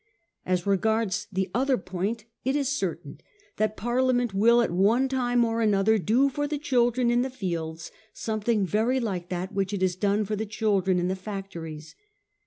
As regards the other point it is certain that Parliament will at one time or another do for the children in the fields something very like that which it has done for the children in the factories.